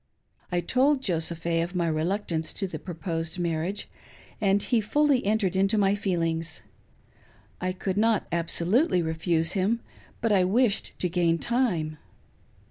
I told Joseph A. of my re luctance to the proposed marriage and he fully entered into my feelings. I could not absolutely refuse him, but I wished to gain time.